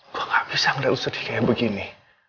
gua nggak bisa ngedaus sedih kayak begini